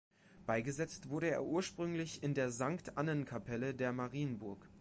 Beigesetzt wurde er ursprünglich in der Sankt Annenkapelle der Marienburg.